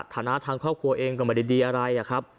ฐานะทางครอบครัวเองก็ไม่ได้ดีอะไรอะครับ